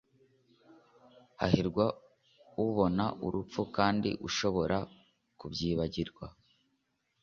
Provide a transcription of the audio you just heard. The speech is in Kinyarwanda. hahirwa ubona urupfu kandi ushobora kubyibagirwa